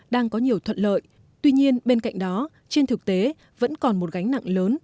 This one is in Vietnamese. đang có nhiều thuận lợi tuy nhiên bên cạnh đó trên thực tế vẫn còn một gánh nặng lớn